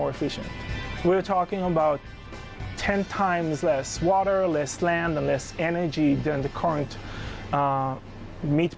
เยี่ยมอีกเมื่อในประสุทธิ์